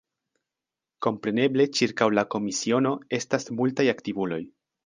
Kompreneble ĉirkaŭ la komisiono estas multaj aktivuloj.